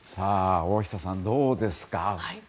大下さん、どうですか？